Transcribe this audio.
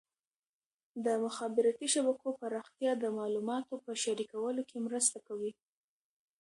د مخابراتي شبکو پراختیا د معلوماتو په شریکولو کې مرسته کوي.